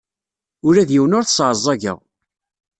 Ula d yiwen ur t-sseɛẓageɣ.